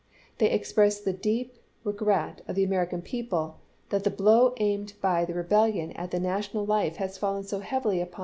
They express the deep regret of the American people that the blow aimed by the rebel MEDIATION DECLINED 89 lion at the national life has fallen so heavily upon chap.